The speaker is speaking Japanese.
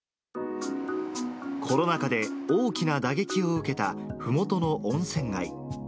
コロナ禍で大きな打撃を受けたふもとの温泉街。